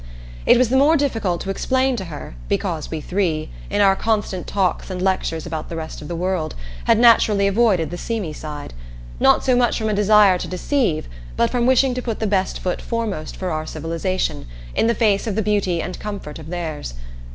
It was the more difficult to explain to her, because we three, in our constant talks and lectures about the rest of the world, had naturally avoided the seamy side; not so much from a desire to deceive, but from wishing to put the best foot foremost for our civilization, in the face of the beauty and comfort of theirs.